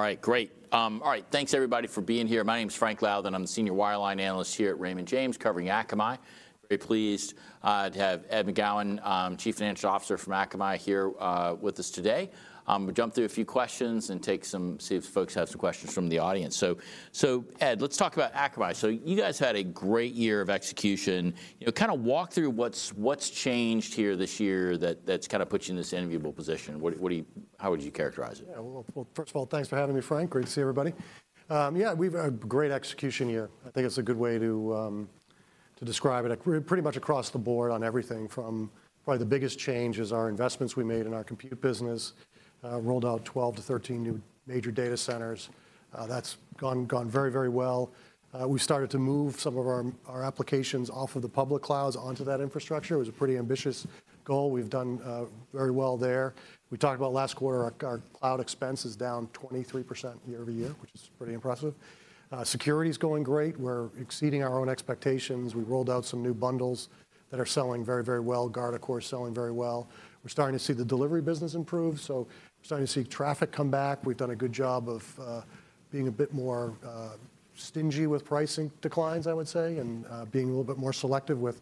All right, great. All right, thanks everybody for being here. My name is Frank Louthan, I'm the Senior Wireline Analyst here at Raymond James, covering Akamai. Very pleased to have Ed McGowan, Chief Financial Officer from Akamai, here with us today. We'll jump through a few questions and take some, see if folks have some questions from the audience. So, so, Ed, let's talk about Akamai. So you guys had a great year of execution. You know, kind of walk through what's, what's changed here this year that, that's kind of put you in this enviable position. What, what do you... How would you characterize it? Yeah, well, well, first of all, thanks for having me, Frank. Great to see everybody. Yeah, we've a great execution year. I think it's a good way to to describe it. Pretty much across the board on everything, from... Probably the biggest change is our investments we made in our compute business. Rolled out 12-13 new major data centers. That's gone, gone very, very well. We started to move some of our, our applications off of the public clouds onto that infrastructure. It was a pretty ambitious goal. We've done, very well there. We talked about last quarter, our, our cloud expense is down 23% year-over-year, which is pretty impressive. Security is going great. We're exceeding our own expectations. We've rolled out some new bundles that are selling very, very well. Guard, of course, selling very well. We're starting to see the delivery business improve, so we're starting to see traffic come back. We've done a good job of being a bit more stingy with pricing declines, I would say, and being a little bit more selective with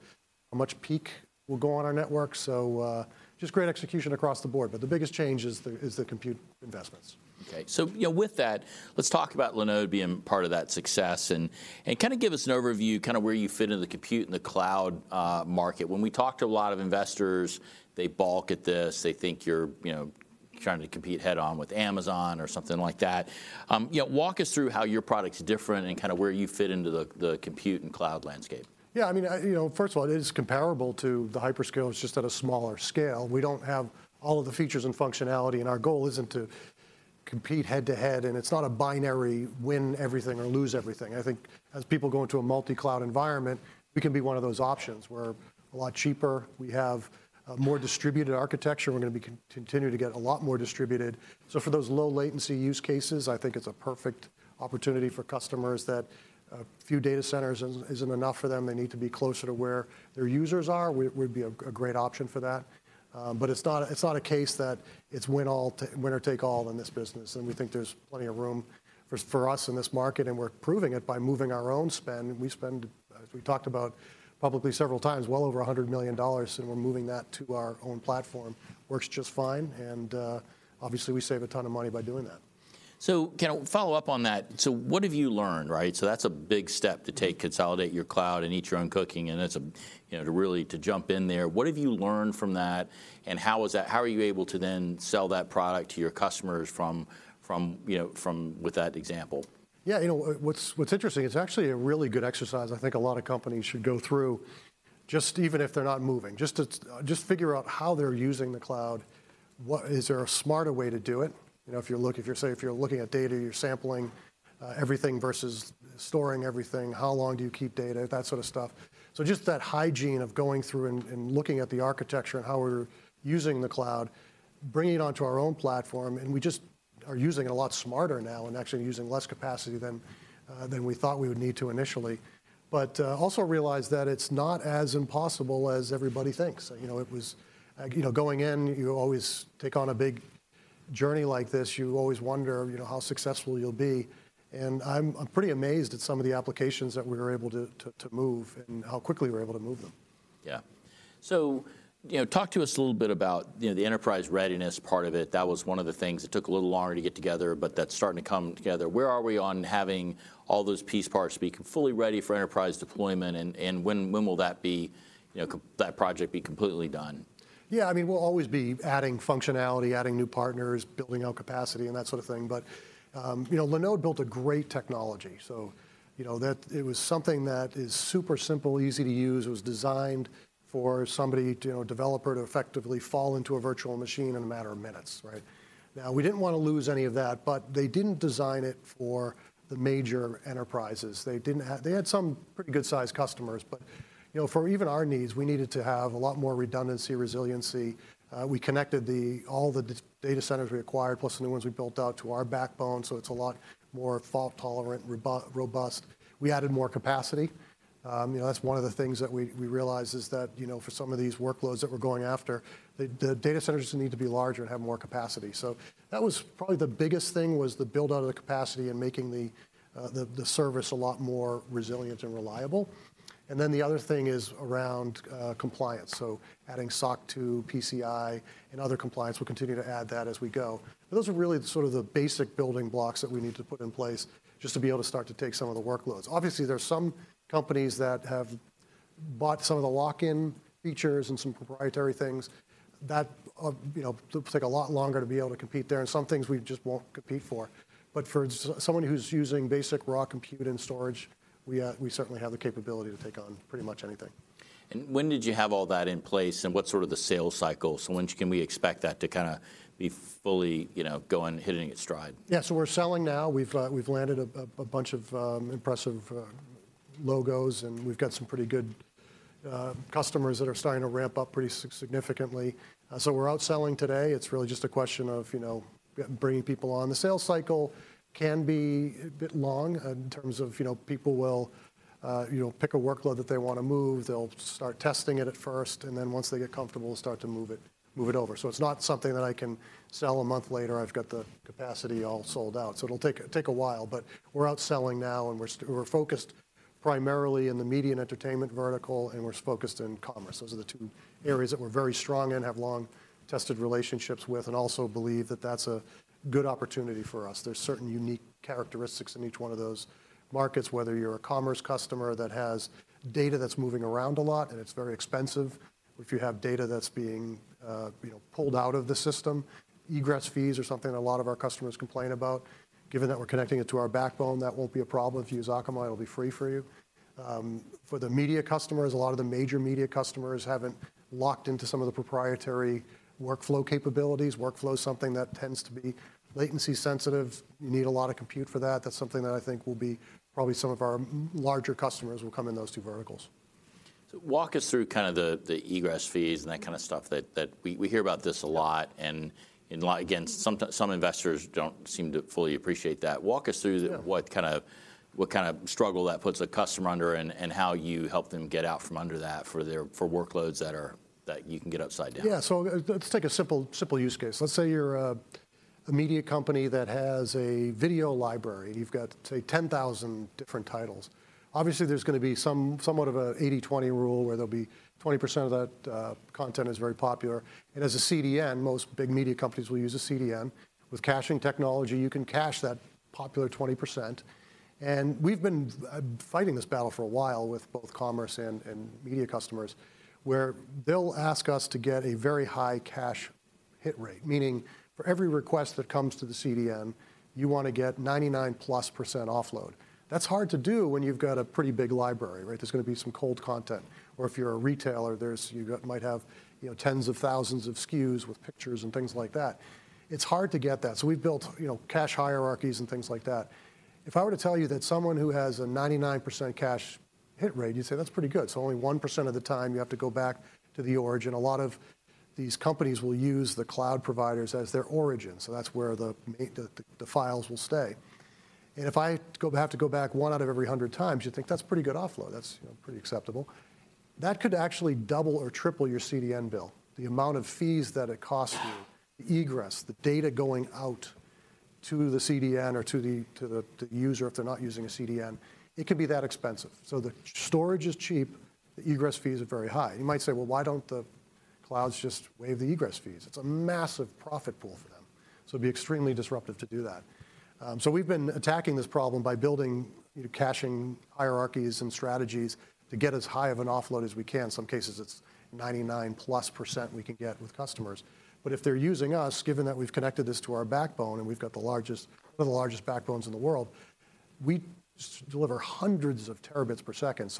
how much peak will go on our network. So just great execution across the board, but the biggest change is the compute investments. Okay. So, you know, with that, let's talk about Linode being part of that success, and, and kind of give us an overview, kind of where you fit into the compute and the cloud market. When we talk to a lot of investors, they balk at this, they think you're, you know, trying to compete head-on with Amazon or something like that. You know, walk us through how your product is different and kind of where you fit into the compute and cloud landscape. Yeah, I mean, You know, first of all, it is comparable to the hyperscale, it's just at a smaller scale. We don't have all of the features and functionality, and our goal isn't to compete head-to-head, and it's not a binary win everything or lose everything. I think as people go into a multi-cloud environment, we can be one of those options. We're a lot cheaper, we have a more distributed architecture. We're going to continue to get a lot more distributed. So for those low latency use cases, I think it's a perfect opportunity for customers that a few data centers isn't enough for them. They need to be closer to where their users are. We'd be a great option for that. But it's not a case that it's winner take all in this business, and we think there's plenty of room for us in this market, and we're proving it by moving our own spend. We spend, as we talked about publicly several times, well over $100 million, and we're moving that to our own platform. Works just fine, and obviously, we save a ton of money by doing that. So, can I follow up on that? What have you learned, right? That's a big step to take, consolidate your cloud and eat your own cooking, and it's a... You know, to really jump in there. What have you learned from that, and how were you able to then sell that product to your customers from, you know, with that example? Yeah, you know, what's interesting, it's actually a really good exercise I think a lot of companies should go through, just even if they're not moving. Just to, just figure out how they're using the cloud. What is there a smarter way to do it? You know, if you're, say, if you're looking at data, you're sampling everything versus storing everything, how long do you keep data? That sort of stuff. So just that hygiene of going through and, and looking at the architecture and how we're using the cloud, bringing it onto our own platform, and we just are using it a lot smarter now and actually using less capacity than, than we thought we would need to initially. But, also realize that it's not as impossible as everybody thinks. You know, it was... You know, going in, you always take on a big journey like this, you always wonder, you know, how successful you'll be, and I'm pretty amazed at some of the applications that we were able to move and how quickly we were able to move them. Yeah. So, you know, talk to us a little bit about, you know, the enterprise readiness part of it. That was one of the things that took a little longer to get together, but that's starting to come together. Where are we on having all those piece parts be fully ready for enterprise deployment, and when will that be, you know, that project be completely done? Yeah, I mean, we'll always be adding functionality, adding new partners, building out capacity, and that sort of thing. But, you know, Linode built a great technology, so you know, that... It was something that is super simple, easy to use. It was designed for somebody, you know, a developer, to effectively fall into a virtual machine in a matter of minutes, right? Now, we didn't want to lose any of that, but they didn't design it for the major enterprises. They didn't have. They had some pretty good-sized customers, but, you know, for even our needs, we needed to have a lot more redundancy, resiliency. We connected all the data centers we acquired, plus the new ones we built out, to our backbone, so it's a lot more fault-tolerant, robust. We added more capacity. You know, that's one of the things that we realized, is that, you know, for some of these workloads that we're going after, the data centers need to be larger and have more capacity. So that was probably the biggest thing, was the build-out of the capacity and making the service a lot more resilient and reliable. And then the other thing is around compliance, so adding SOC 2, PCI, and other compliance. We'll continue to add that as we go. Those are really the sort of the basic building blocks that we need to put in place, just to be able to start to take some of the workloads. Obviously, there are some companies that have bought some of the lock-in features and some proprietary things. That, you know, looks like a lot longer to be able to compete there, and some things we just won't compete for. But for someone who's using basic raw compute and storage, we, we certainly have the capability to take on pretty much anything. When did you have all that in place, and what's sort of the sales cycle? When can we expect that to kind of be fully, you know, going, hitting its stride? Yeah, so we're selling now. We've landed a bunch of impressive logos, and we've got some pretty good customers that are starting to ramp up pretty significantly. So we're out selling today. It's really just a question of, you know, bringing people on. The sales cycle can be a bit long in terms of, you know, people will, you know, pick a workload that they want to move, they'll start testing it at first, and then once they get comfortable, they'll start to move it, move it over. So it's not something that I can sell a month later, I've got the capacity all sold out. So it'll take a while, but we're out selling now, and we're focused primarily in the media and entertainment vertical, and we're focused in commerce. Those are the two areas that we're very strong in, have long, tested relationships with, and also believe that that's a good opportunity for us. There's certain unique characteristics in each one of those markets, whether you're a commerce customer that has data that's moving around a lot, and it's very expensive. If you have data that's being, you know, pulled out of the system, egress fees are something a lot of our customers complain about. Given that we're connecting it to our backbone, that won't be a problem. If you use Akamai, it'll be free for you. For the media customers, a lot of the major media customers haven't locked into some of the proprietary workflow capabilities. Workflow is something that tends to be latency sensitive. You need a lot of compute for that. That's something that I think will be, probably some of our larger customers will come in those two verticals. So walk us through kind of the egress fees and that kind of stuff, that we hear about this a lot, and a lot, again, some investors don't seem to fully appreciate that. Walk us through, Yeah.... what kind of struggle that puts a customer under, and how you help them get out from under that for their workloads that are that you can get upside down. Yeah, so let's take a simple, simple use case. Let's say you're a media company that has a video library. You've got, say, 10,000 different titles. Obviously, there's gonna be somewhat of a 80/20 rule, where there'll be 20% of that content is very popular. And as a CDN, most big media companies will use a CDN. With caching technology, you can cache that popular 20%, and we've been fighting this battle for a while with both commerce and media customers, where they'll ask us to get a very high cache hit rate, meaning for every request that comes to the CDN, you want to get 99%+ offload. That's hard to do when you've got a pretty big library, right? There's gonna be some cold content. Or if you're a retailer, there's... You might have, you know, tens of thousands of SKUs with pictures and things like that. It's hard to get that, so we've built, you know, cache hierarchies and things like that. If I were to tell you that someone who has a 99% cache hit rate, you'd say, "That's pretty good." So only 1% of the time you have to go back to the origin. A lot of these companies will use the cloud providers as their origin, so that's where the files will stay. And if I have to go back one out of every 100 times, you'd think, "That's pretty good offload. That's, you know, pretty acceptable." That could actually double or triple your CDN bill. The amount of fees that it costs you... Egress, the data going out to the CDN or to the user if they're not using a CDN, it can be that expensive. So the storage is cheap, the egress fees are very high. You might say, "Well, why don't the clouds just waive the egress fees?" It's a massive profit pool for them, so it'd be extremely disruptive to do that. So we've been attacking this problem by building, you know, caching hierarchies and strategies to get as high of an offload as we can. In some cases, it's 99%+ we can get with customers. But if they're using us, given that we've connected this to our backbone and we've got the largest, one of the largest backbones in the world, we deliver hundreds of terabits per second.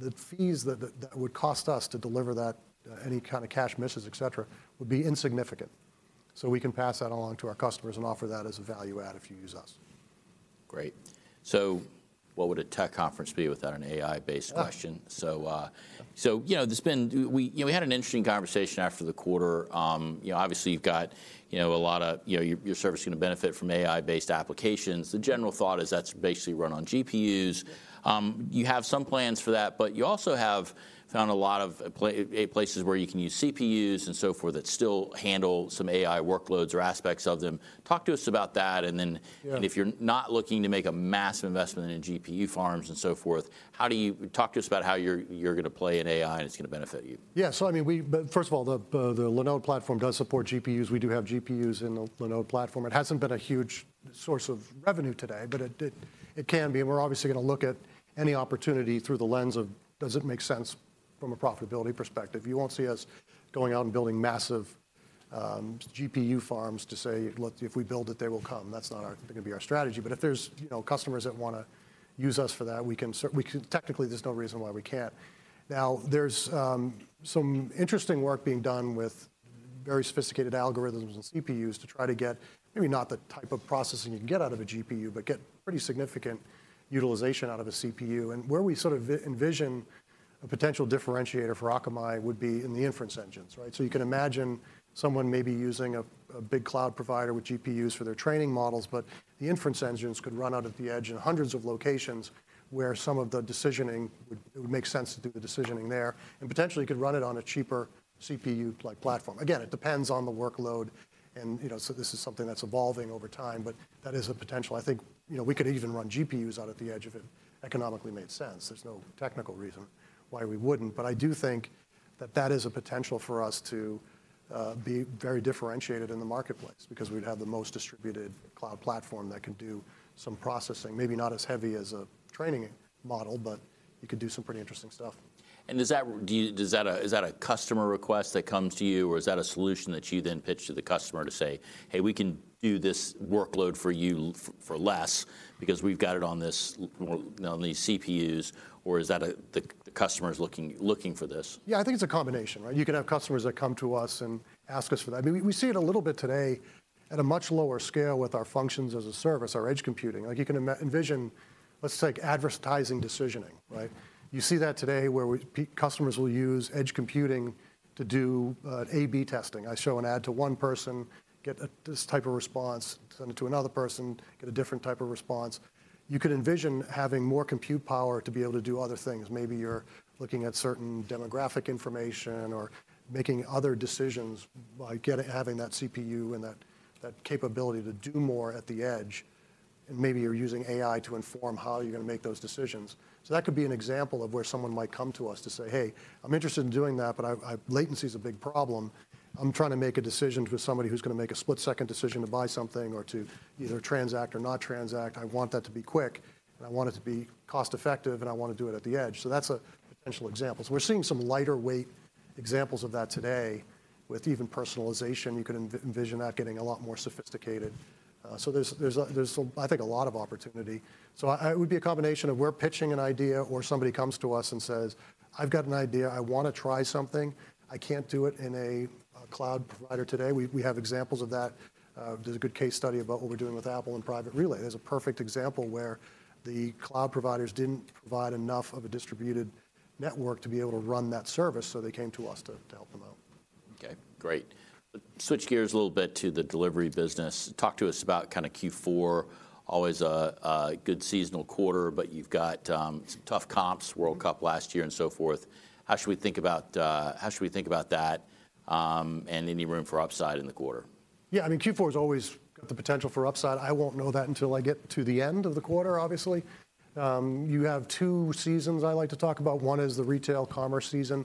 The fees that would cost us to deliver that, any kind of cache misses, etc., would be insignificant. So we can pass that along to our customers and offer that as a value add if you use us. Great. So what would a tech conference be without an AI-based question? Ah. So, you know, there's been... We, you know, we had an interesting conversation after the quarter. You know, obviously, you've got, you know, a lot of, you know, your, your service is gonna benefit from AI-based applications. The general thought is that's basically run on GPUs. You have some plans for that, but you also have found a lot of places where you can use CPUs and so forth, that still handle some AI workloads or aspects of them. Talk to us about that, and then- Yeah.... and if you're not looking to make a massive investment in GPU farms and so forth, how do you... talk to us about how you're, you're gonna play in AI, and it's gonna benefit you. Yeah, so I mean, but first of all, the Linode platform does support GPUs. We do have GPUs in the Linode platform. It hasn't been a huge source of revenue today, but it can be, and we're obviously gonna look at any opportunity through the lens of, does it make sense from a profitability perspective? You won't see us going out and building massive GPU farms to say, "Look, if we build it, they will come." That's not gonna be our strategy. But if there's, you know, customers that wanna use us for that, we can. Technically, there's no reason why we can't. Now, there's some interesting work being done with very sophisticated algorithms and CPUs to try to get maybe not the type of processing you'd get out of a GPU, but get pretty significant utilization out of a CPU. And where we sort of envision a potential differentiator for Akamai would be in the inference engines, right? So you can imagine someone maybe using a big cloud provider with GPUs for their training models, but the inference engines could run out at the edge in hundreds of locations where some of the decisioning would make sense to do the decisioning there. And potentially, you could run it on a cheaper CPU-like platform. Again, it depends on the workload, and you know, so this is something that's evolving over time, but that is a potential. I think, you know, we could even run GPUs out at the edge if it economically made sense. There's no technical reason why we wouldn't. But I do think that that is a potential for us to be very differentiated in the marketplace because we'd have the most distributed cloud platform that can do some processing, maybe not as heavy as a training model, but you could do some pretty interesting stuff. Does that, is that a customer request that comes to you, or is that a solution that you then pitch to the customer to say, "Hey, we can do this workload for you for less because we've got it on this, well, on these CPUs," or is that the customer is looking for this? Yeah, I think it's a combination, right? You can have customers that come to us and ask us for that. I mean, we see it a little bit today at a much lower scale with our functions as a service, our edge computing. Like, you can envision, let's take advertising decisioning, right? You see that today where customers will use edge computing to do A/B testing. I show an ad to one person, get a this type of response, send it to another person, get a different type of response. You could envision having more compute power to be able to do other things. Maybe you're looking at certain demographic information or making other decisions by having that CPU and that capability to do more at the edge, and maybe you're using AI to inform how you're gonna make those decisions. So that could be an example of where someone might come to us to say, "Hey, I'm interested in doing that, but latency is a big problem. I'm trying to make a decision with somebody who's gonna make a split-second decision to buy something or to either transact or not transact. I want that to be quick, and I want it to be cost-effective, and I wanna do it at the edge." So that's a potential example. So we're seeing some lighter-weight examples of that today. With even personalization, you could envision that getting a lot more sophisticated. So there's, I think, a lot of opportunity. It would be a combination of we're pitching an idea, or somebody comes to us and says, "I've got an idea. I wanna try something. I can't do it in a cloud provider today." We have examples of that. There's a good case study about what we're doing with Apple and Private Relay. There's a perfect example where the cloud providers didn't provide enough of a distributed network to be able to run that service, so they came to us to help them out. Okay, great. Switch gears a little bit to the delivery business. Talk to us about kind of Q4, always a good seasonal quarter, but you've got some tough comps, World Cup last year, and so forth. How should we think about that, and any room for upside in the quarter? Yeah, I mean, Q4 has always got the potential for upside. I won't know that until I get to the end of the quarter, obviously. You have two seasons I like to talk about. One is the retail commerce season.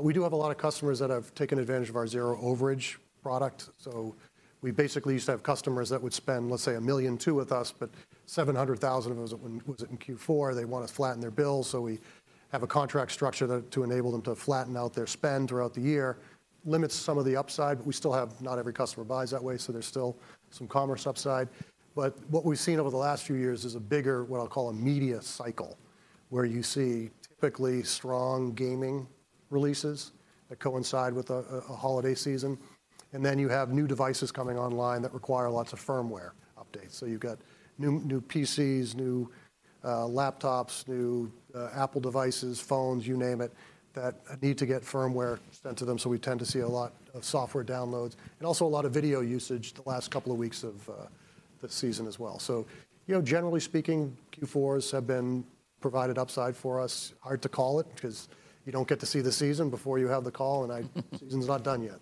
We do have a lot of customers that have taken advantage of our Zero Overage product. So we basically used to have customers that would spend, let's say, $1.2 million with us, but $700,000 of it was in Q4. They want to flatten their bill, so we have a contract structure that to enable them to flatten out their spend throughout the year. Limits some of the upside, but we still have... Not every customer buys that way, so there's still some commerce upside. But what we've seen over the last few years is a bigger, what I'll call a media cycle, where you see typically strong gaming releases that coincide with a holiday season, and then you have new devices coming online that require lots of firmware updates. So you've got new PCs, new laptops, new Apple devices, phones, you name it, that need to get firmware sent to them. So we tend to see a lot of software downloads and also a lot of video usage the last couple of weeks of the season as well. So, you know, generally speaking, Q4s have been provided upside for us. Hard to call it 'cause you don't get to see the season before you have the call, and season's not done yet.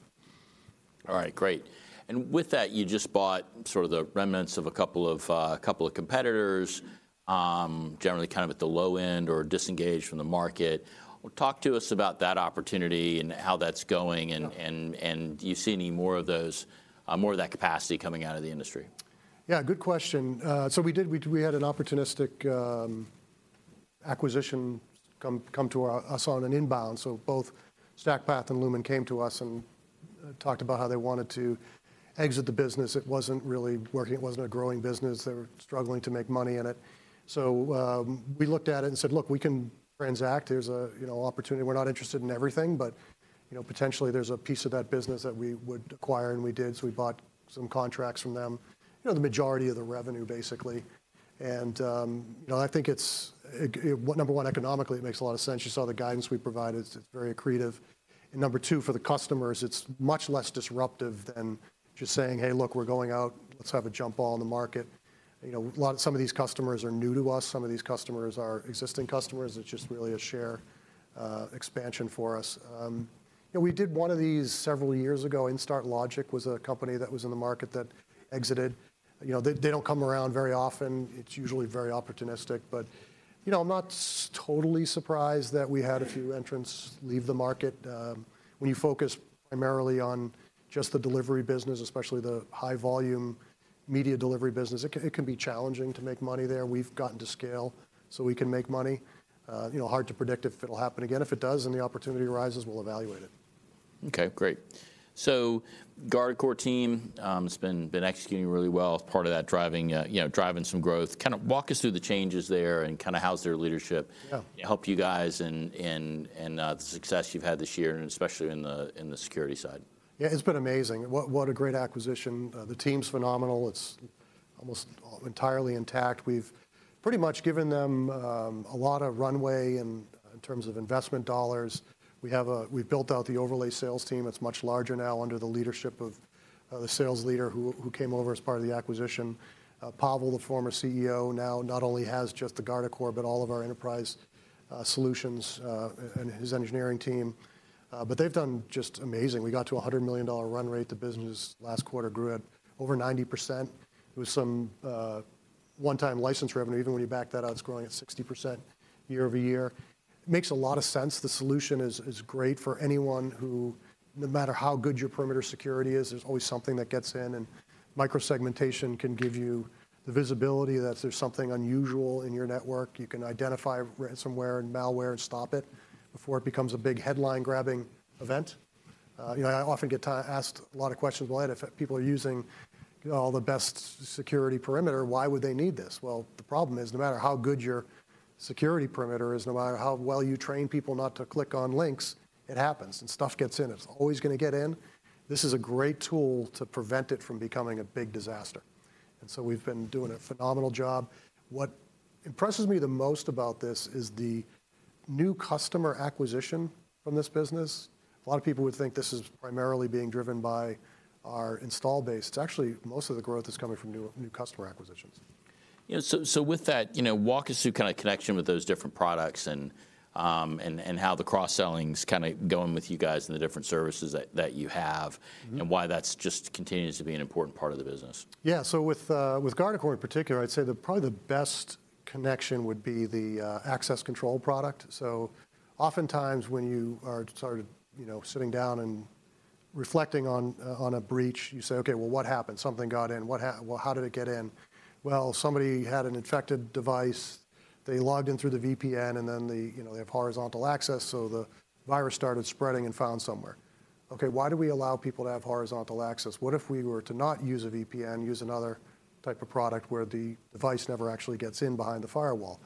All right, great. And with that, you just bought sort of the remnants of a couple of couple of competitors, generally kind of at the low end or disengaged from the market. Well, talk to us about that opportunity and how that's going, and, and, and do you see any more of those, more of that capacity coming out of the industry? Yeah, good question. So we did, we had an opportunistic acquisition come to us on an inbound, so both StackPath and Lumen came to us and talked about how they wanted to exit the business. It wasn't really working. It wasn't a growing business. They were struggling to make money in it. So we looked at it and said: "Look, we can transact. There's a, you know, opportunity. We're not interested in everything, but, you know, potentially there's a piece of that business that we would acquire," and we did. So we bought some contracts from them, you know, the majority of the revenue, basically. And, you know, I think it's number one, economically, it makes a lot of sense. You saw the guidance we provided. It's very accretive. Number two, for the customers, it's much less disruptive than just saying: "Hey, look, we're going out. Let's have a jump ball in the market." You know, some of these customers are new to us. Some of these customers are existing customers. It's just really a share expansion for us. You know, we did one of these several years ago. Instart Logic was a company that was in the market that exited. You know, they don't come around very often. It's usually very opportunistic, but, you know, I'm not totally surprised that we had a few entrants leave the market. When you focus primarily on just the delivery business, especially the high-volume media delivery business, it can be challenging to make money there. We've gotten to scale, so we can make money. You know, hard to predict if it'll happen again. If it does, and the opportunity arises, we'll evaluate it. Okay, great. So Guardicore team, it's been executing really well as part of that driving, you know, some growth. Kind of walk us through the changes there and kind of how their leadership, Yeah.... helped you guys and the success you've had this year and especially in the security side. Yeah, it's been amazing. What a great acquisition. The team's phenomenal. It's almost entirely intact. We've pretty much given them a lot of runway in terms of investment dollars. We've built out the overlay sales team. It's much larger now under the leadership of the sales leader, who came over as part of the acquisition. Pavel, the former CEO, now not only has just the Guardicore, but all of our enterprise solutions and his engineering team. But they've done just amazing. We got to a $100 million run rate. The business last quarter grew at over 90%. It was some one-time license revenue. Even when you back that out, it's growing at 60% year-over-year. Makes a lot of sense. The solution is great for anyone who, no matter how good your perimeter security is, there's always something that gets in, and micro-segmentation can give you the visibility that there's something unusual in your network. You can identify ransomware and malware and stop it before it becomes a big headline-grabbing event. You know, I often get asked a lot of questions: "Well, if people are using, you know, all the best security perimeter, why would they need this?" Well, the problem is, no matter how good your security perimeter is, no matter how well you train people not to click on links, it happens, and stuff gets in. It's always gonna get in. This is a great tool to prevent it from becoming a big disaster... So we've been doing a phenomenal job. What impresses me the most about this is the new customer acquisition from this business. A lot of people would think this is primarily being driven by our install base. It's actually, most of the growth is coming from new, new customer acquisitions. Yeah, so with that, you know, walk us through kind of connection with those different products and how the cross-selling's kind of going with you guys and the different services that you have, Mm-hmm. and why that's just continues to be an important part of the business. Yeah, so with Guardicore in particular, I'd say that probably the best connection would be the access control product. So oftentimes, when you are sort of, you know, sitting down and reflecting on a breach, you say: "Okay, well, what happened? Something got in. What, well, how did it get in?" Well, somebody had an infected device. They logged in through the VPN, and then they, you know, they have horizontal access, so the virus started spreading and found somewhere. Okay, why do we allow people to have horizontal access? What if we were to not use a VPN, use another type of product where the device never actually gets in behind the firewall?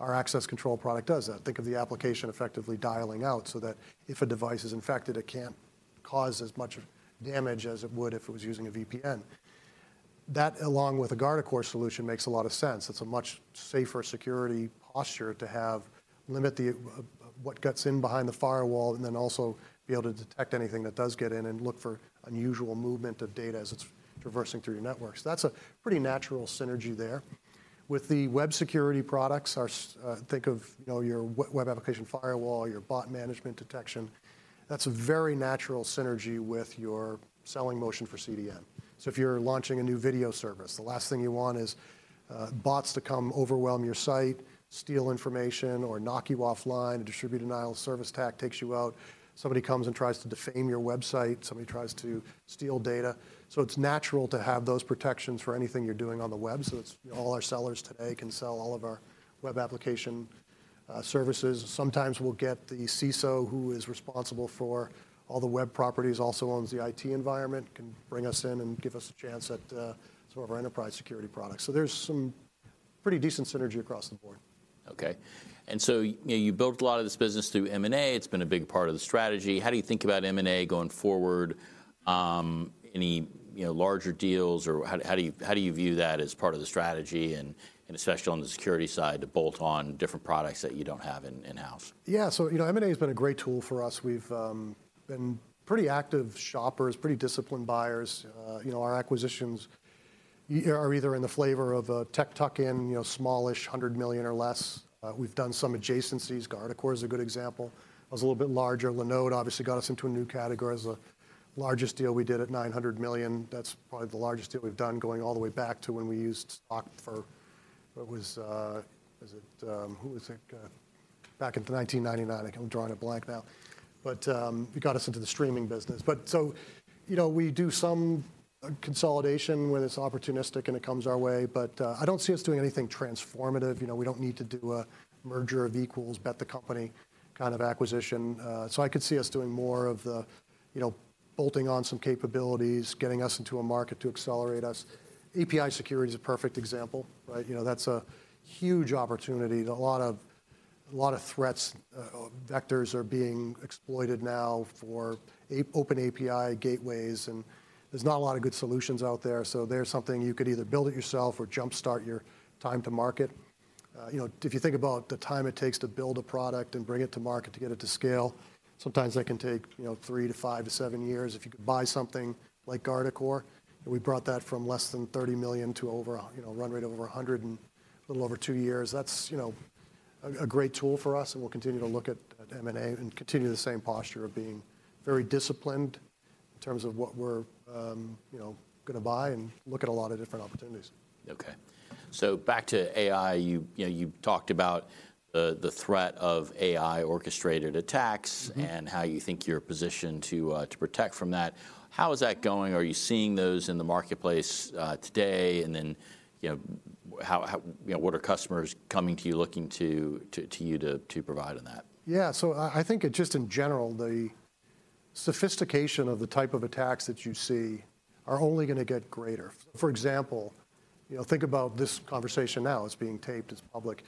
Our access control product does that. Think of the application effectively dialing out, so that if a device is infected, it can't cause as much damage as it would if it was using a VPN. That, along with a Guardicore solution, makes a lot of sense. It's a much safer security posture to have... limit the, what gets in behind the firewall and then also be able to detect anything that does get in and look for unusual movement of data as it's traversing through your network. So that's a pretty natural synergy there. With the web security products, our think of, you know, your web application firewall, your bot management detection, that's a very natural synergy with your selling motion for CDN. So if you're launching a new video service, the last thing you want is, bots to come overwhelm your site, steal information, or knock you offline. A distributed denial-of-service attack takes you out. Somebody comes and tries to defame your website, somebody tries to steal data. So it's natural to have those protections for anything you're doing on the web, so it's, all our sellers today can sell all of our web application services. Sometimes we'll get the CISO, who is responsible for all the web properties, also owns the IT environment, can bring us in and give us a chance at, sort of our enterprise security products. So there's some pretty decent synergy across the board. Okay. So, you know, you built a lot of this business through M&A. It's been a big part of the strategy. How do you think about M&A going forward? Any, you know, larger deals, or how do you view that as part of the strategy and especially on the security side, to bolt on different products that you don't have in-house? Yeah. So, you know, M&A has been a great tool for us. We've been pretty active shoppers, pretty disciplined buyers. You know, our acquisitions are either in the flavor of a tech tuck-in, you know, smallish, $100 million or less. We've done some adjacencies. Guardicore is a good example. It was a little bit larger. Linode obviously got us into a new category as the largest deal we did at $900 million. That's probably the largest deal we've done, going all the way back to when we used stock for... What was, was it... Who was it? Back in 1999. I think I'm drawing a blank now. But it got us into the streaming business. But so, you know, we do some consolidation when it's opportunistic, and it comes our way, but I don't see us doing anything transformative. You know, we don't need to do a merger of equals, bet the company kind of acquisition. So I could see us doing more of the, you know, bolting on some capabilities, getting us into a market to accelerate us. API security is a perfect example, right? You know, that's a huge opportunity. There's a lot of, lot of threats, vectors are being exploited now for a open API gateways, and there's not a lot of good solutions out there. So there's something you could either build it yourself or jumpstart your time to market. You know, if you think about the time it takes to build a product and bring it to market to get it to scale, sometimes that can take, you know, three to five to seven years. If you could buy something like Guardicore, and we brought that from less than $30 million to over, you know, run rate of over $100 million in a little over two years, that's, you know, a, a great tool for us, and we'll continue to look at, at M&A and continue the same posture of being very disciplined in terms of what we're, you know, gonna buy and look at a lot of different opportunities. Okay. So back to AI, you know, you talked about the threat of AI-orchestrated attacks, Mm-hmm.... and how you think you're positioned to protect from that. How is that going? Are you seeing those in the marketplace today? And then, you know, how, you know, what are customers coming to you, looking to you to provide on that? Yeah. So I think it just in general, the sophistication of the type of attacks that you see are only gonna get greater. For example, you know, think about this conversation now. It's being taped. It's public.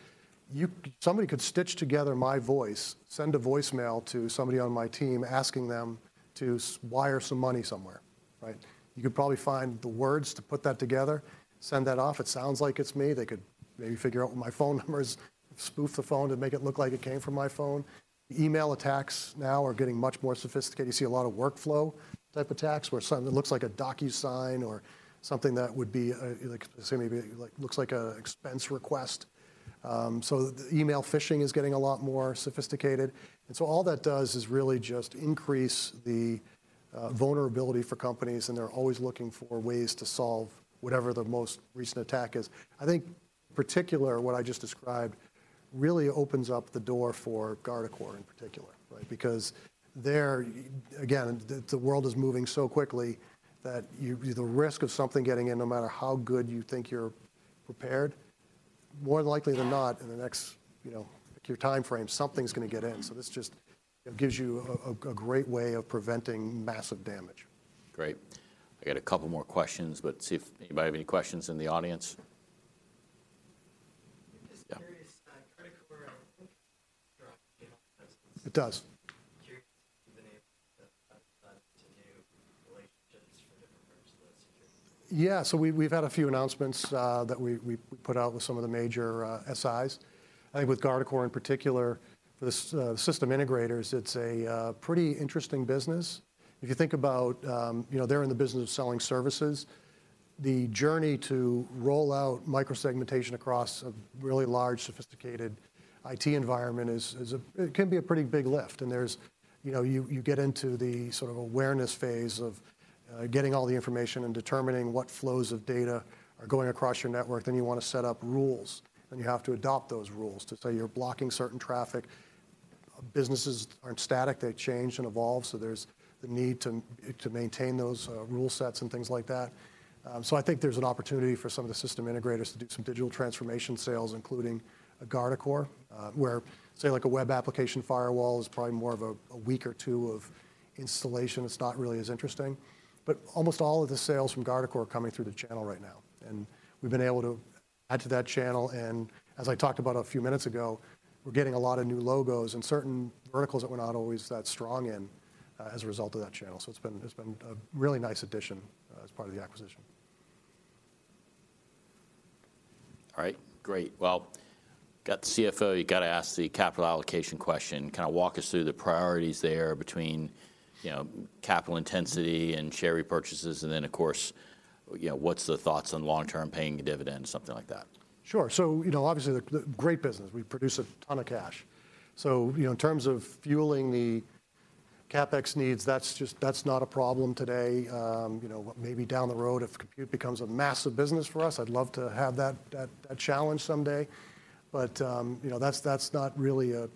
Somebody could stitch together my voice, send a voicemail to somebody on my team, asking them to wire some money somewhere, right? You could probably find the words to put that together, send that off. It sounds like it's me. They could maybe figure out what my phone number is, spoof the phone to make it look like it came from my phone. Email attacks now are getting much more sophisticated. You see a lot of workflow-type attacks, where something that looks like a DocuSign or something that would be, like, say, maybe like, looks like a expense request. So the email phishing is getting a lot more sophisticated, and so all that does is really just increase the vulnerability for companies, and they're always looking for ways to solve whatever the most recent attack is. I think, particular, what I just described, really opens up the door for Guardicore in particular, right? Because there, again, the world is moving so quickly that the risk of something getting in, no matter how good you think you're prepared, more than likely than not, in the next, you know, few timeframe, something's gonna get in. So this just, you know, gives you a great way of preventing massive damage. Great. I got a couple more questions, but see if anybody have any questions in the audience?... It does. You've been able to continue relationships for different parts of the security? Yeah, so we, we've had a few announcements that we, we put out with some of the major SIs. I think with Guardicore in particular, the system integrators, it's a pretty interesting business. If you think about, you know, they're in the business of selling services, the journey to roll out micro-segmentation across a really large, sophisticated IT environment is, it can be a pretty big lift, and there's... You know, you, you get into the sort of awareness phase of getting all the information and determining what flows of data are going across your network. Then you want to set up rules, then you have to adopt those rules to say you're blocking certain traffic. Businesses aren't static, they change and evolve, so there's the need to maintain those rule sets and things like that. So I think there's an opportunity for some of the system integrators to do some digital transformation sales, including Guardicore, where, say, like a web application firewall is probably more of a week or two of installation. It's not really as interesting. But almost all of the sales from Guardicore are coming through the channel right now, and we've been able to add to that channel, and as I talked about a few minutes ago, we're getting a lot of new logos in certain verticals that we're not always that strong in as a result of that channel. So it's been a really nice addition as part of the acquisition. All right, great. Well, got the CFO, you got to ask the capital allocation question. Kind of walk us through the priorities there between, you know, capital intensity and share repurchases, and then, of course, you know, what's the thoughts on long-term paying a dividend, something like that? Sure. So, you know, obviously, the great business, we produce a ton of cash. So, you know, in terms of fueling the CapEx needs, that's just not a problem today. You know, maybe down the road, if compute becomes a massive business for us, I'd love to have that challenge someday. But, you know, that's not really a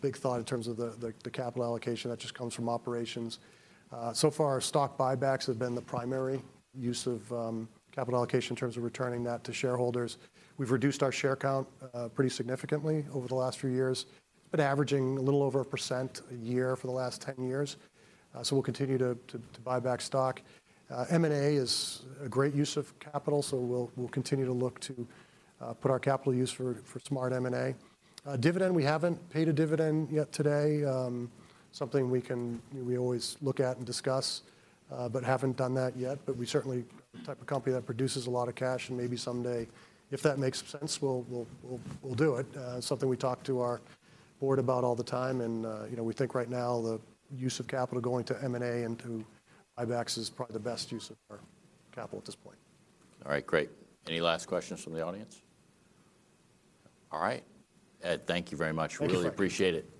big thought in terms of the capital allocation. That just comes from operations. So far, our stock buybacks have been the primary use of capital allocation in terms of returning that to shareholders. We've reduced our share count pretty significantly over the last few years, but averaging a little over 1% a year for the last 10 years. So we'll continue to buy back stock. M&A is a great use of capital, so we'll continue to look to put our capital use for smart M&A. Dividend, we haven't paid a dividend yet today. Something we can. We always look at and discuss, but haven't done that yet. But we're certainly the type of company that produces a lot of cash, and maybe someday, if that makes sense, we'll do it. Something we talk to our board about all the time and, you know, we think right now the use of capital going to M&A and to buybacks is probably the best use of our capital at this point. All right, great. Any last questions from the audience? All right. Ed, thank you very much. Thank you. Really appreciate it. All right.